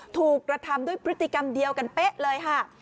ถูกกระทำด้วยพฤติกรรมเดียวกันเป๊ะเลยค่ะ